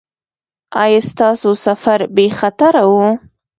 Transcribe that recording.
ایا ستاسو سفر بې خطره و؟